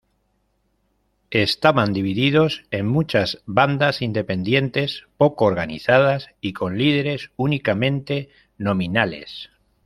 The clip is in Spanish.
Estaban divididos en muchas bandas independientes, poco organizadas y con líderes únicamente nominales.